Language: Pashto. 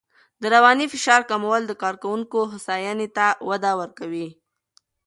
د رواني فشار کمول د کارکوونکو هوساینې ته وده ورکوي.